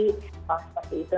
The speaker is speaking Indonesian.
kalau seperti itu